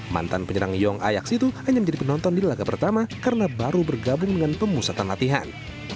mantan penyerang yong ayaks itu hanya menjadi penonton di laga pertama karena baru bergabung dengan pemusatan latihan